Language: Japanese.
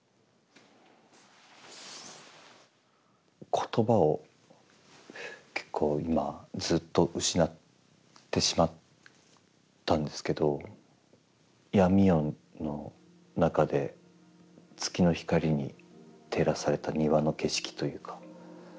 言葉を結構今ずっと失ってしまったんですけど闇夜の中で月の光に照らされた庭の景色というか。